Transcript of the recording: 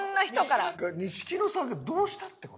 錦野さんがどうしたって事？